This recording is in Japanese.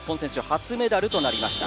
初メダルとなりました。